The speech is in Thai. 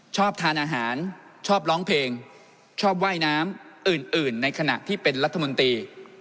ชอบทานอาหารชอบร้องเพลงชอบว่ายน้ำอื่นในขณะที่เป็นรัฐมนตรี